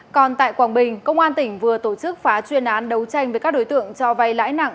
còn tại quảng bình công an tỉnh vừa tổ chức phá chuyên án đấu tranh với các đối tượng cho vay lãi nặng